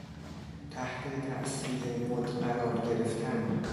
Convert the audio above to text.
تحت تاثیر مد قرار گرفتن